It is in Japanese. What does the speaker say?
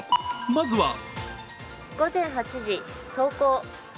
まずは午前８時、登校。